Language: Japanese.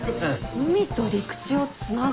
海と陸地をつなぐ？